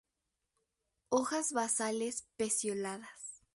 Hojas basales pecioladas.